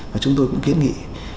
và chúng tôi cũng kiến nghị